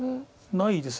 ないです